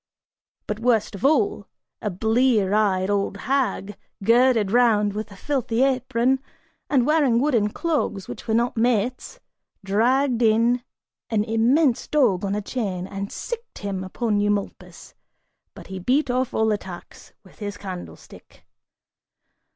But worst of all, a blear eyed old hag, girded round with a filthy apron, and wearing wooden clogs which were not mates, dragged in an immense dog on a chain, and "sicked" him upon Eumolpus, but he beat off all attacks with his candlestick.